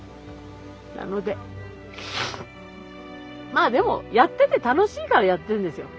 まあでもやってて楽しいからやってるんですよ。